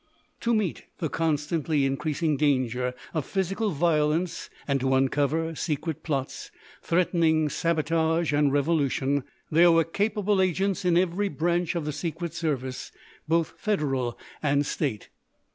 To meet the constantly increasing danger of physical violence and to uncover secret plots threatening sabotage and revolution, there were capable agents in every branch of the Secret Service, both Federal and State.